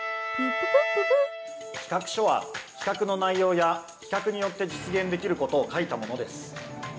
プププッププッ企画書は企画の内容や企画によって実現できることを書いたものです。